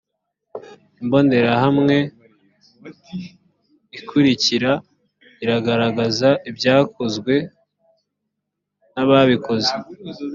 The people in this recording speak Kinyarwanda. imbonerahamwe ikurikira iragaragaza ibyakozwe n ababikoze